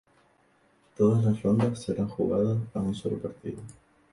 Todas las rondas serán jugadas a un solo partido.